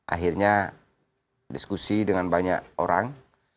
akhirnya diskusi dengan banyak orang